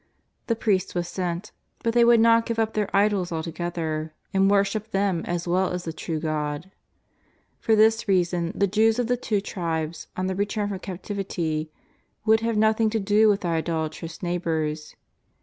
The priest was sent, but they would not give up their idols altogotlier, and worshipped them as well as the true God. For this reason the Jews of the Two Tribes, on their return from captivity, would have nothing to do with their idolatrous neighbours.